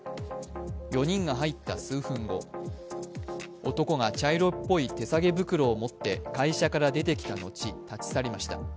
４人が入った数分後男が茶色っぽい手提げ袋を持って会社から出てきた後、立ち去りました。